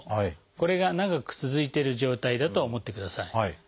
これが長く続いてる状態だと思ってください。